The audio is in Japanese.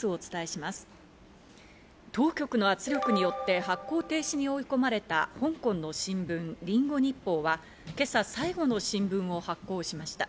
当局の圧力によって発行停止に追い込まれた香港の新聞、リンゴ日報は今朝、最後の新聞を発行しました。